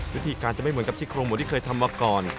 วิธีการจะไม่เหมือนกับซี่โครงหมูที่เคยทำมาก่อน